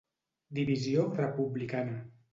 Divisió republicana.